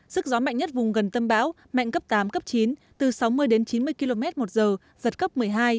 sức gió mạnh nhất vùng gần tâm bão mạnh cấp tám cấp chín từ sáu mươi đến chín mươi km một giờ giật cấp một mươi hai